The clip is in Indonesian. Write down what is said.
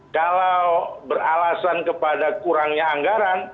kalau beralasan kepada kurangnya anggaran